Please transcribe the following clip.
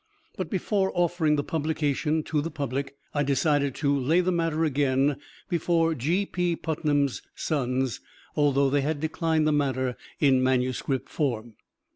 But before offering the publication to the public, I decided to lay the matter again before G.P. Putnam's Sons, although they had declined the matter in manuscript form.